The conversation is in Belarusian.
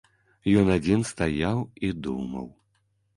Ён адзін стаяў і думаў.